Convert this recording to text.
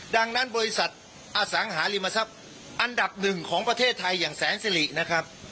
ว่าใส่ไทยอย่างแสนสิรินะครับ